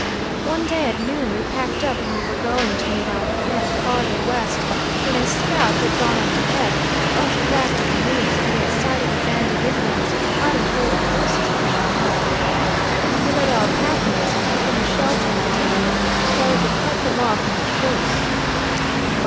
"One day at noon we packed up and were going to move our camp farther west, when a scout, who had gone on ahead, rushed back with the news that he had sighted a band of Indians with quite a herd of horses pushing north. We led our pack mules, and keeping the shelter of the timber started to cut them off in their course.